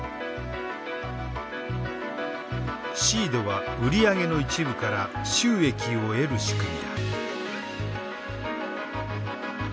ｓｅｅｅｄは売り上げの一部から収益を得る仕組みだ。